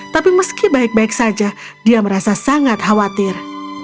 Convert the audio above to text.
tapi meski baik baik saja dia merasa sangat khawatir